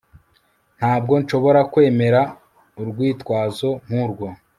Ntabwo nshobora kwemera urwitwazo nkurwo